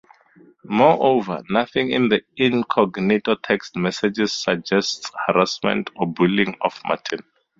Moreover, nothing in the Incognito text messages suggests harassment or bullying of Martin.